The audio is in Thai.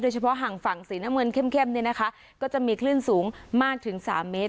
เฉพาะห่างฝั่งสีน้ำเงินเข้มเนี่ยนะคะก็จะมีคลื่นสูงมากถึง๓เมตร